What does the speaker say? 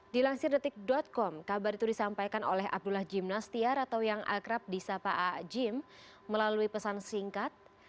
di langsir detik com kabar itu disampaikan oleh abdullah jimnastiar atau yang akrab di sapa'a jim melalui pesan singkat